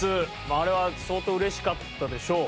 あれは相当うれしかったでしょう。